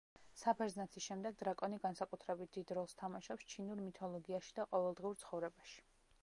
საბერძნეთის შემდეგ დრაკონი განსაკუთრებით დიდ როლს თამაშობს ჩინურ მითოლოგიაში და ყოველდღიურ ცხოვრებაში.